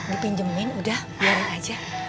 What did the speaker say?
dipinjemin udah biarin aja